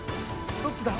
どっちだ？